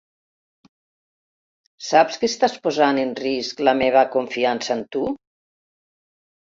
Saps que estàs posant en risc la meva confiança en tu?